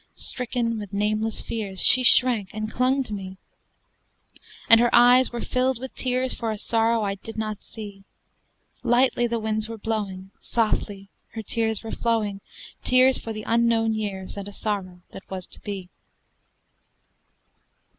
Stricken with nameless fears, she shrank and clung to me, And her eyes were filled with tears for a sorrow I did not see: Lightly the winds were blowing, softly her tears were flowing Tears for the unknown years and a sorrow that was to be!